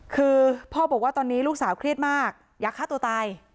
คือพ่อบอกว่าตอนนี้ลูกสาวเครียดมากอยากฆ่าตัวตาย